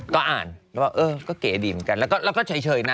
ก็อ่านแล้วบอกเออก็เก๋ดีเหมือนกันแล้วก็เฉยนะ